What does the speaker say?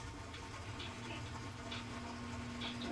毛马齿苋是马齿苋科马齿苋属的植物。